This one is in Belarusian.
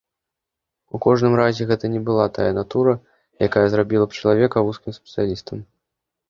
У кожным разе гэта не была тая натура, якая зрабіла б чалавека вузкім спецыялістам.